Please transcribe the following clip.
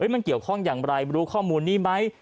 มันเกี่ยวข้องอย่างไรรู้ข้อมูลนี้ไหม